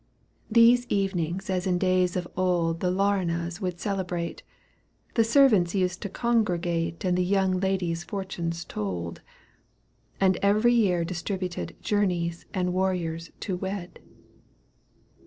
These evenings as in days of old The Lkrinas would celebrate, The servants used to congregate And the young ladies fortunes told. And every year distributed Journeys and warriors to wed.